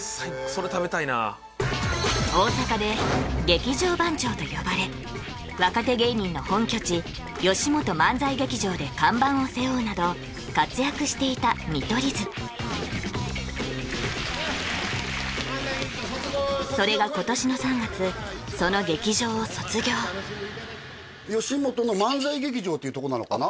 それ食べたいな大阪で「劇場番長」と呼ばれ若手芸人の本拠地よしもと漫才劇場で看板を背負うなど活躍していた見取り図それが今年の３月その劇場を卒業よしもとの漫才劇場っていうとこなのかな？